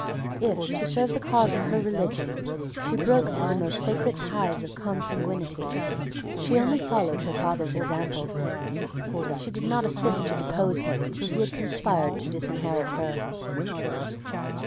If, to serve the cause of her religion, she broke through the most sacred ties of consanguinity, she only followed her father's example. She did not assist to depose him till he had conspired to disinherit her.